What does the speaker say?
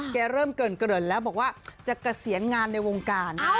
แกเริ่มเกริ่นแล้วบอกว่าจะเกษียณงานในวงการ